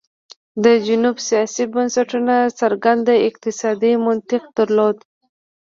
د جنوب سیاسي بنسټونو څرګند اقتصادي منطق درلود.